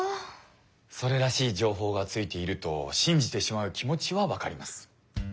それらしい情報がついていると信じてしまう気持ちはわかります。